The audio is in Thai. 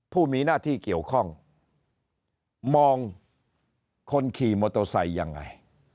ผู้มีหน้าที่เกี่ยวข้องมองคนขี่มอเตอร์ไซค์ยังไง